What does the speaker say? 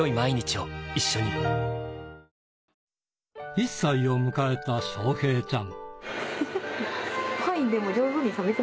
１歳を迎えた翔平ちゃん。